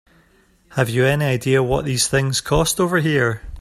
Have you any idea what these things cost over here?